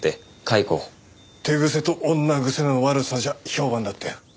手癖と女癖の悪さじゃ評判だったよ。